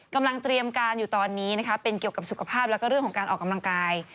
กำลังเตรียมการอยู่ตอนนี้นะคะเป็นเกี่ยวกับสุขภาพแล้วก็เรื่องของการออกกำลังกาย